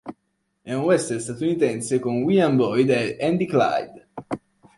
È un western statunitense con William Boyd e Andy Clyde.